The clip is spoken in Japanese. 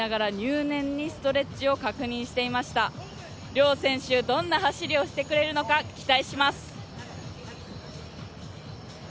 両選手どんな走りをしてくれるのか期待します。